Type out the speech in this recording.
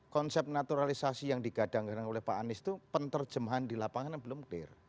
konsep naturalisasi yang digadangkan oleh pak anies itu penerjemahan di lapangan yang belum clear